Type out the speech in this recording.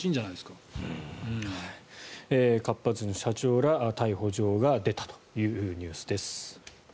かっぱ寿司の社長ら逮捕状が出たというニュースです。